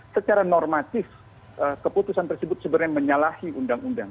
secara normatif keputusan tersebut sebenarnya menyalahi undang undang